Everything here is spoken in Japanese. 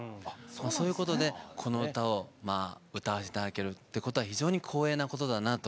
そういうことで、この歌を歌わせていただけるということは非常に光栄なことだなと。